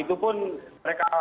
dan mereka pun menembak ke tribun